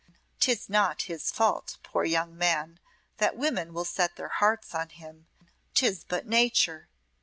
'Tis not his fault, poor young man, that women will set their hearts on him; 'tis but nature.